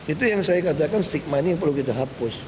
itu yang saya katakan stigma ini yang perlu kita hapus